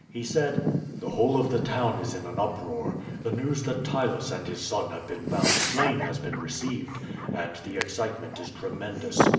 He said: "The whole of the town is in an uproar. The news that Ptylus and his son have been found slain has been received, and the excitement is tremendous.